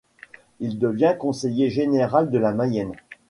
Il devient conseiller général de la Mayenne.